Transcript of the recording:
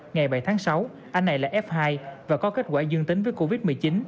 ngày bảy tháng sáu anh này là f hai và có kết quả dương tính với covid một mươi chín